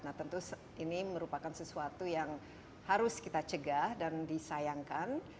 nah tentu ini merupakan sesuatu yang harus kita cegah dan disayangkan